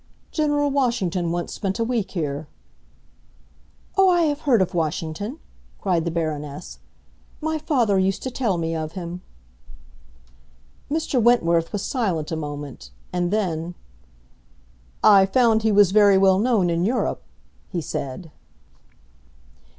"General Washington once spent a week here." "Oh, I have heard of Washington," cried the Baroness. "My father used to tell me of him." Mr. Wentworth was silent a moment, and then, "I found he was very well known in Europe," he said.